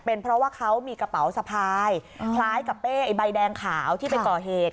เป็นเพราะว่าเขามีกระเป๋าสะพายคล้ายกับเป้ใบแดงขาวที่ไปก่อเหตุ